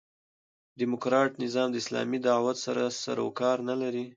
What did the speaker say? ډيموکراټ نظام د اسلامي دعوت سره سر و کار نه لري.